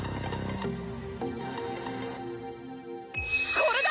これだ！